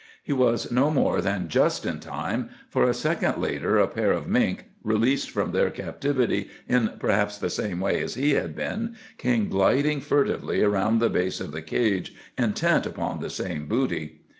He was no more than just in time, for a second later a pair of mink, released from their captivity in perhaps the same way as he had been, came gliding furtively around the base of the cage, intent upon the same booty.